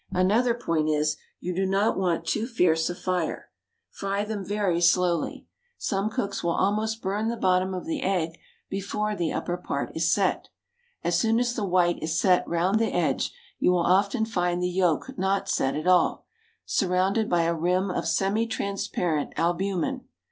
Another point is, you do not want too fierce a fire. Fry them very slowly. Some cooks will almost burn the bottom of the egg before the upper part is set. As soon as the white is set round the edge, you will often find the yolk not set at all, surrounded by a rim of semi transparent "albumen."